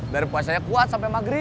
dari puasanya kuat sampai maghrib